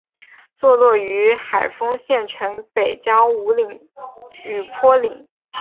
坐落于海丰县城北郊五坡岭。